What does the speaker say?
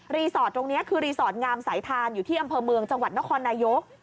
สอดตรงนี้คือรีสอร์ทงามสายทานอยู่ที่อำเภอเมืองจังหวัดนครนายก